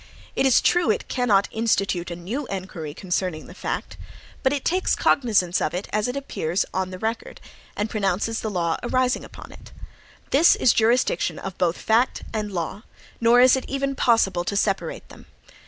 It is true it cannot institute a new inquiry concerning the fact, but it takes cognizance of it as it appears upon the record, and pronounces the law arising upon it.(3) This is jurisdiction of both fact and law; nor is it even possible to separate them.